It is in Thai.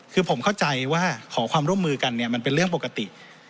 คือผมเข้าใจว่าขอความร่วมมือกันเนี่ยมันเป็นเรื่องปกติ